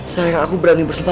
sayang aku berani bersumpah